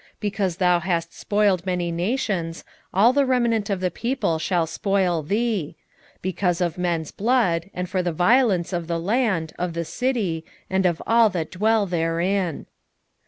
2:8 Because thou hast spoiled many nations, all the remnant of the people shall spoil thee; because of men's blood, and for the violence of the land, of the city, and of all that dwell therein.